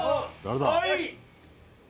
「はい！」